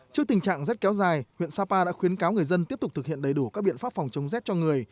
trước tình trạng rất kéo dài huyện sapa đã khuyến cáo người dân tiếp tục thực hiện đầy đủ các biện pháp phòng chống rét cho người